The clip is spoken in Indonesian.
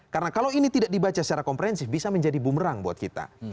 karena kalau ini tidak dibaca secara komprehensif bisa menjadi bumerang buat kita